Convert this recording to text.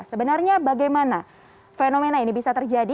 sebenarnya bagaimana fenomena ini bisa terjadi